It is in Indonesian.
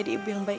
aku mau pergi